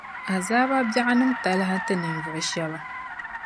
Azaaba biεɣu niŋ talahi n-ti ninvuɣu shɛba.